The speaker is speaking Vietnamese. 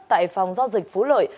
tại phòng giao dịch phú lợi